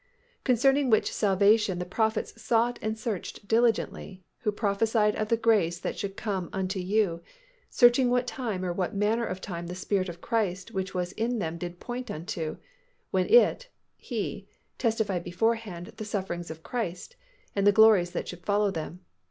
"Concerning which salvation the prophets sought and searched diligently, who prophesied of the grace that should come unto you: searching what time or what manner of time the Spirit of Christ which was in them did point unto, when it (He) testified beforehand the sufferings of Christ, and the glories that should follow them.